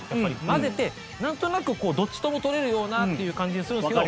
混ぜてなんとなくどっちとも取れるようなっていう感じにするんですけど。